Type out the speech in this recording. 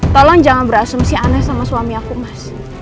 tolong jangan berasumsi aneh sama suami aku mas